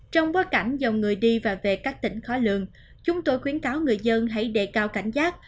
trong bối cảnh dòng người đi và về các tỉnh khó lường chúng tôi khuyến cáo người dân hãy đề cao cảnh giác